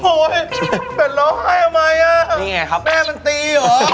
แบบร้องไห้ทำไมอ่ะนี่ไงครับแม่มันตีเหรอ